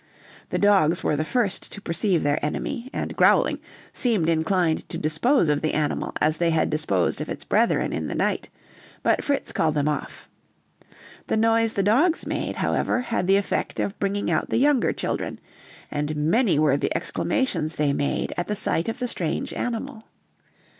The dogs were the first to perceive their enemy, and growling, seemed inclined to dispose of the animal as they had disposed of its brethren in the night, but Fritz called them off. The noise the dogs made, however, had the effect of bringing out the younger children, and many were the exclamations they made at the sight of the strange animal.